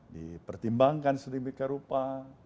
dipertimbangkan sedemikian rupa